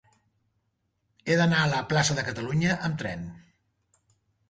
He d'anar a la plaça de Catalunya amb tren.